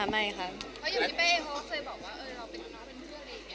คุณพี่เป๊เค้าเคยบอกว่าเราเป็นทุน้าเป็นเพื่อนเลยไง